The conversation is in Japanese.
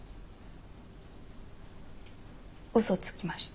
うそつきました。